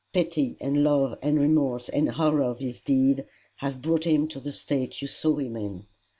Pity and love and remorse and horror of his deed have brought him to the state you saw him in.